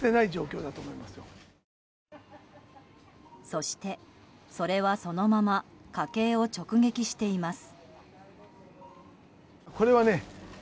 そして、それはそのまま家計を直撃しています。